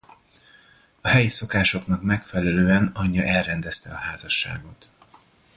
A helyi szokásoknak megfelelően anyja elrendezte a házasságot.